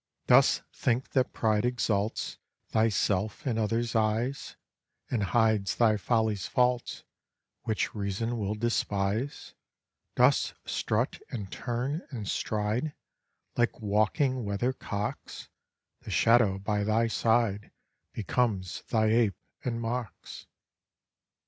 Dost think that pride exalts Thyself in other's eyes, And hides thy folly's faults, Which reason will despise? Dost strut, and turn, and stride, Like walking weathercocks? The shadow by thy side Becomes thy ape, and mocks.